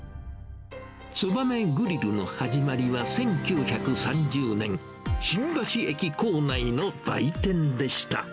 つばめグリルの始まりは１９３０年、新橋駅構内の売店でした。